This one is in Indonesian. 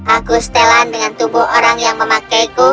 aku setelan dengan tubuh orang yang memakai ku